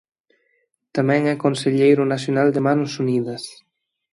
Tamén é conselleiro nacional de Manos Unidas.